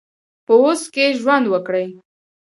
په اوس کې ژوند وکړئ